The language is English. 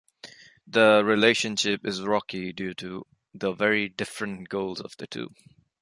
The relationship is rocky due to the very different goals of the two.